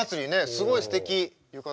すごいすてき浴衣。